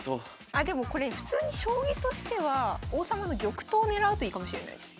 あでもこれ普通に将棋としては王様の玉頭を狙うといいかもしれないです。